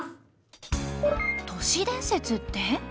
都市伝説って？